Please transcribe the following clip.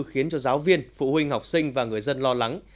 khiến cho giáo viên phụ huynh học sinh và người dân lo lắng